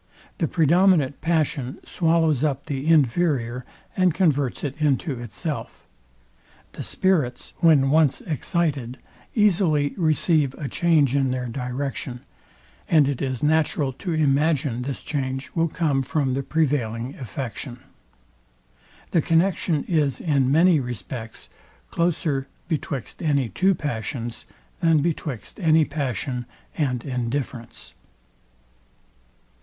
The predominant passion swallows up the inferior, and converts it into itself. The spirits, when once excited, easily receive a change in their direction; and it is natural to imagine this change will come from the prevailing affection. The connexion is in many respects closer betwixt any two passions, than betwixt any passion and indifference.